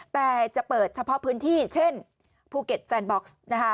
แต่จะเปิดเฉพาะพื้นที่เช่นภูเก็ตแซนบ็อกซ์นะคะ